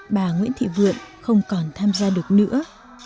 bà nguyễn thị vượn không còn tham gia được nữa